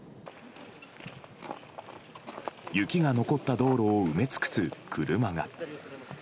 雪が残った道路を埋め尽くす車が。